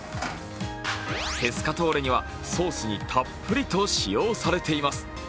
ペスカトーレには、ソースにたっぷりと使用されています。